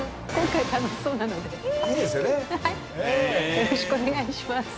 よろしくお願いします。